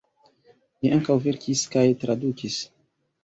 Li ankaŭ verkis kaj tradukis.